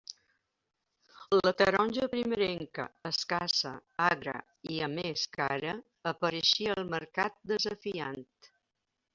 La taronja primerenca, escassa, agra, i a més cara, apareixia al mercat desafiant.